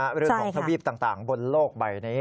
เรื่องของทวีปต่างบนโลกใบนี้